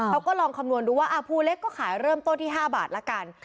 เขาก็ลองคำนวณดูว่าภูเล็กก็ขายเริ่มต้นที่๕บาทละกัน